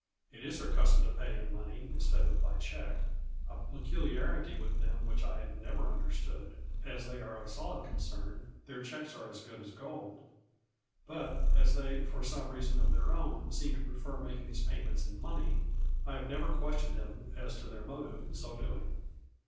It is their custom to pay in money instead of by check, a peculiarity with them which I never understood. As they are a solid concern, their checks are as good as gold, but, as they for some reason of their own 126 A FLURRY IN DIAMONDS. seem to prefer making these payments in money, I have never questioned them as to their motive in so doing.